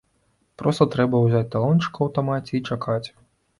Проста трэба ўзяць талончык у аўтамаце і чакаць.